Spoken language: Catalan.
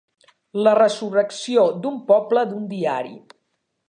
La resurrecció d'un poble, d'un diari.